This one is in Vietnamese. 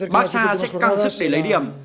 barca sẽ căng sức để lấy điểm